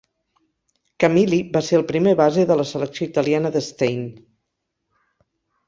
Camilli va ser el primer base de la selecció italiana de Stein.